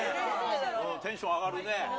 テンション上がるね。